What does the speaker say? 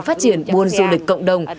để phát triển buôn du lịch cộng đồng